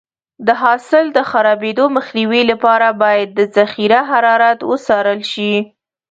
د حاصل د خرابېدو مخنیوي لپاره باید د ذخیره حرارت وڅارل شي.